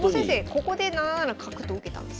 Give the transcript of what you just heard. ここで７七角と受けたんですよ。